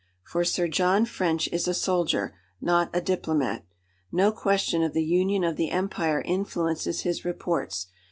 For Sir John French is a soldier, not a diplomat. No question of the union of the Empire influences his reports.